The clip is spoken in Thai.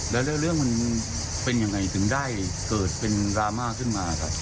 แล้วเรื่องมันเป็นยังไงถึงได้เกิดเป็นดราม่าขึ้นมาครับ